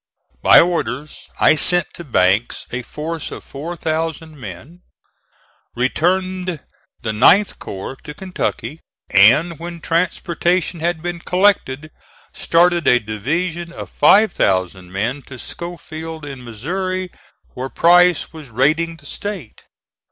By orders, I sent to Banks a force of 4,000 men; returned the 9th corps to Kentucky and, when transportation had been collected, started a division of 5,000 men to Schofield in Missouri where Price was raiding the State.